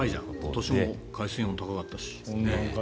今年も海水温高かったし。